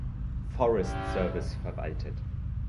Forest Service verwaltet.